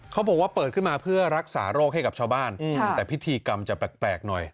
เขาบอกว่าเปิดขึ้นมาเพื่อรักษาโรคให้กับชาวบ้านแต่พิธีกรรมจะแปลกหน่อย